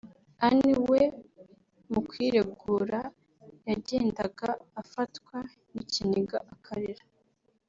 Anne we mu kwiregura yagendaga afatwa n’ikiniga akarira